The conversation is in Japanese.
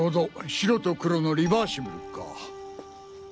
白と黒のリバーシブルか。